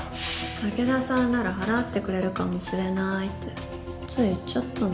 竹田さんなら払ってくれるかもしれないってつい言っちゃったの。